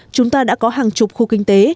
chúng ta đã có hàng chục khu kinh tế